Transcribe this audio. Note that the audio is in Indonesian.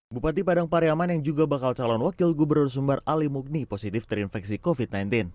bupati padang pariaman yang juga bakal calon wakil gubernur sumbar ali mugni positif terinfeksi covid sembilan belas